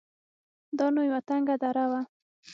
دا نو يوه تنگه دره وه.